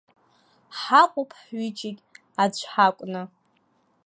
Ҳаҟоуп ҳҩыџьагь аӡә ҳакәны.